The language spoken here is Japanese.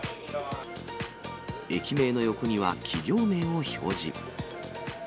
駅名の横には企業名を表示。